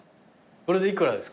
これで幾らですか？